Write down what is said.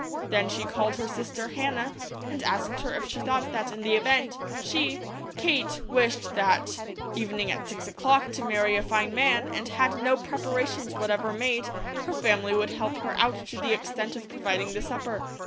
Then she called her sister Hannah, and asked her if she thought that in the event she, Kate, wished that evening at six o'clock to marry a very fine man, and had no preparations whatever made, her family would help her out to the extent of providing the supper.